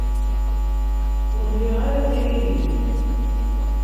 Ur liɣ ara tiririt.